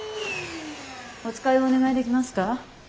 お使いをお願いできますか？